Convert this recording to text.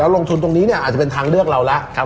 แล้วลงทุนตรงนี้อาจจะเป็นทางเลือกเหล้าแล้ว